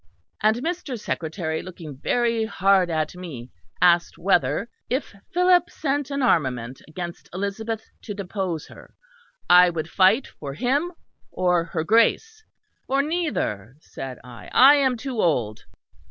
And Mr. Secretary, looking very hard at me asked whether if Philip sent an armament against Elizabeth to depose her, I would fight for him or her grace. For neither, said I: I am too old.